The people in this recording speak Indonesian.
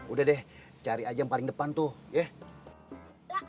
udah deh cari aja yang paling depan tuh yeh